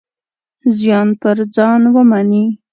زیان پر ځان ومني.